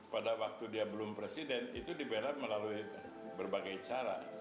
pada waktu dia belum presiden itu dibela melalui berbagai cara